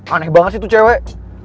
aneh banget sih tuh cewek